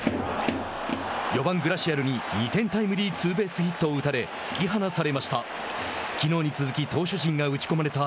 ４番、グラシアルに２点タイムリーツーベースヒットを打たれ突き放されました。